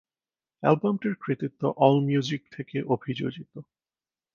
অ্যালবামটির কৃতিত্ব AllMusic থেকে অভিযোজিত।